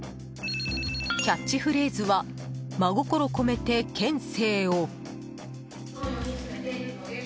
キャッチフレーズはまごころこめて県政を。